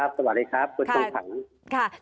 สวัสดีครับคุณต้นผัง